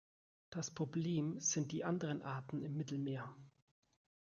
Das Problem sind die anderen Arten im Mittelmeer.